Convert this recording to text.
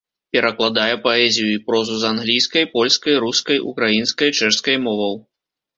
Перакладае паэзію і прозу з англійскай, польскай, рускай, украінскай, чэшскай моваў.